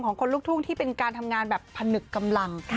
คนลูกทุ่งที่เป็นการทำงานแบบผนึกกำลัง